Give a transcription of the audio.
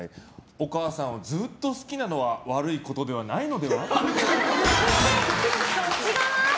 お母さんをずっと好きなのは悪いことではないのでは？